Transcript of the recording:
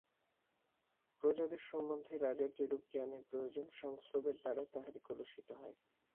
প্রজাদের সম্বন্ধে রাজার যেরূপ জ্ঞানের প্রয়োজন সংস্রবের দ্বারা তাহার কলুষিত হয়।